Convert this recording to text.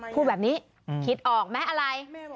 พูดแบบนี้คิดออกไหมอะไร